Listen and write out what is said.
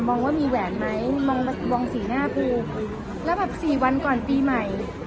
มองว่ามีแหวนมั้ยมองบัตรแล้วบ่องสีหน้าปูแล้วแบบสี่วันก่อนปีใหม่